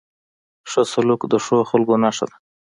ښه سلوک د ښو خلکو نښه ده.